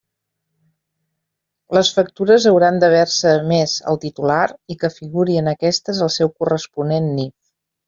Les factures hauran d'haver-se emés al titular, i que figure en aquestes el seu corresponent NIF.